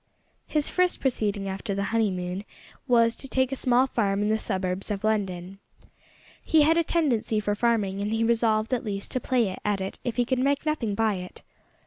His first proceeding after the honeymoon was to take a small farm in the suburbs of London. He had a tendency for farming, and he resolved at least to play at it if he could make nothing by it.